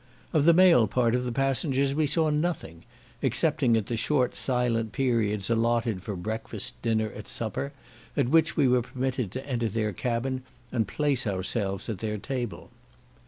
Of the male part of the passengers we saw nothing, excepting at the short silent periods allotted for breakfast, dinner, and supper, at which we were permitted to enter their cabin, and place ourselves at their table.